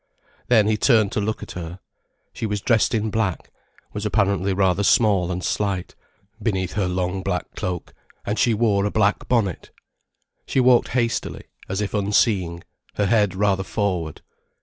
Then he turned to look at her. She was dressed in black, was apparently rather small and slight, beneath her long black cloak, and she wore a black bonnet. She walked hastily, as if unseeing, her head rather forward.